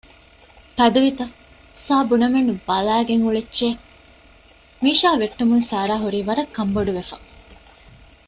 ތަދުވިތަ؟ ސާ ބުނަމެއްނު ބަލައިގެން އުޅެއްޗޭ! މީޝާ ވެއްޓުމުން ސާރާ ހުރީ ވަރަށް ކަންބޮޑުވެފަ